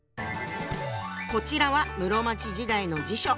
こちらは室町時代の辞書。